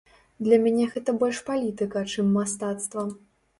Для мяне гэта больш палітыка, чым мастацтва.